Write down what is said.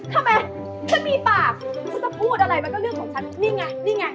ทำไมฉันมีปากถ้าพูดอะไรมันก็เรื่องของฉัน